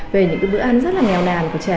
về những bữa ăn rất là nghèo nàn của trẻ